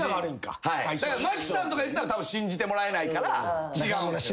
だから真木さんとか言ったらたぶん信じてもらえないから違うんすよね。